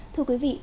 thưa quý vị